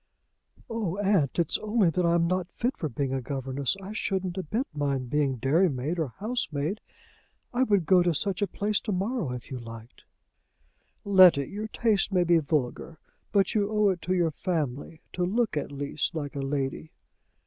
"O aunt! it's only that I'm not fit for being a governess. I shouldn't a bit mind being dairymaid or housemaid. I would go to such a place to morrow, if you liked." "Letty, your tastes may be vulgar, but you owe it to your family to look at least like a lady."